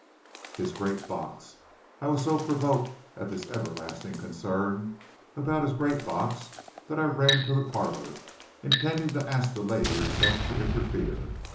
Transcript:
His great box! I was so provoked at this everlasting concern about his great box, that I ran to the parlor, intending to ask the lady herself to interfere.